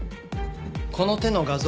この手の画像